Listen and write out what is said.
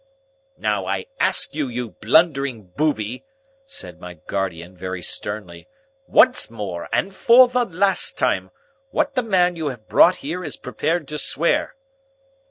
"Now, I ask you, you blundering booby," said my guardian, very sternly, "once more and for the last time, what the man you have brought here is prepared to swear?"